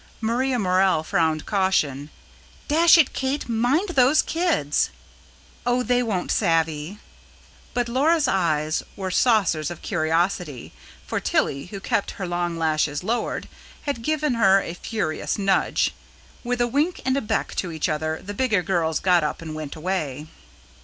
Maria Morell frowned caution. "Dash it, Kate, mind those kids!" "Oh, they won't savvy." But Laura's eyes were saucers of curiosity, for Tilly, who kept her long lashes lowered, had given her a furious nudge. With a wink and a beck to each other, the bigger girls got up and went away.